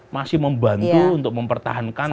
masih membantu untuk mempertahankan